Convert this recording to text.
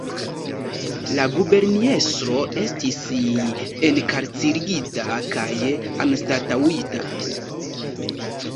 La guberniestro estis enkarcerigita kaj anstataŭita.